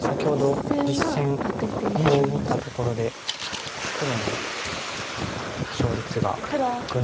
先ほど実戦こう打ったところで黒の勝率がぐんと。